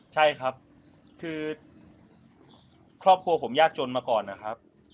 ใช่ครับคือครอบครัวผมยากจนมาก่อนนะครับ